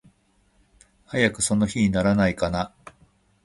早くその日にならないかな。